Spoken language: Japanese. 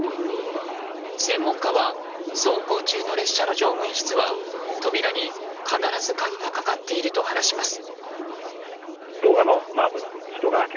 専門家は走行中の列車の乗務員室は扉に必ず鍵がかかっていると話します。